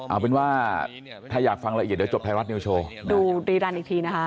เอาเป็นว่าถ้าอยากฟังละเอียดเดี๋ยวจบไทยรัฐนิวโชว์ดูรีรันอีกทีนะคะ